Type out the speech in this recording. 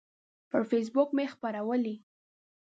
پر فیسبوک مې خپرولی